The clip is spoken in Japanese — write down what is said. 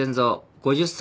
５０歳。